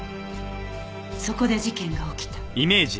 そこで事件が起きた。